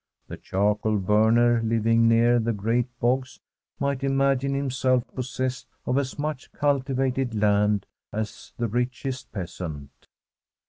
The charcoal burner living near the great bogs might imagine himself possessed of as much cultivated land as the richest peasant.